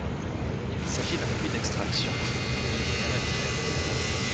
Il s'agirait d'un puits d'extraction du minerais de fer.